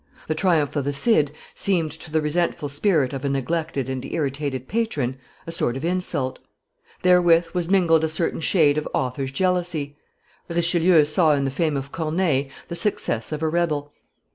The triumph of the Cid seemed to the resentful spirit of a neglected and irritated patron a sort of insult. Therewith was mingled a certain shade of author's jealousy. Richelieu saw in the fame of Corneille the success of a rebel.